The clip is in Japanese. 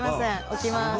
起きます。